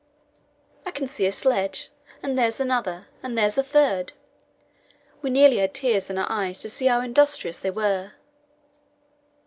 "I can see a sledge and there's another and there's a third." We nearly had tears in our eyes to see how industrious they were.